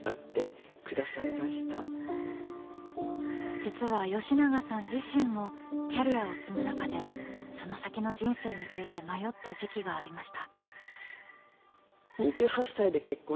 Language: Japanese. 実は吉永さん自身もキャリアを積む中でその先の人生について迷った時期がありました。